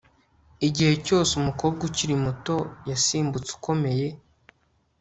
igihe cyose, umukobwa ukiri muto yasimbutse ukomeye